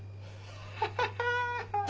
ハハハハ！